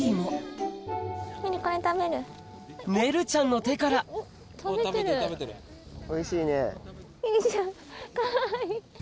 ねるちゃんの手からおいしいね。